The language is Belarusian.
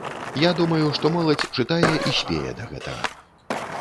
Я думаю, што моладзь чытае і спее да гэтага.